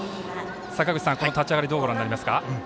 坂口さん、この立ち上がりどうご覧になりますか？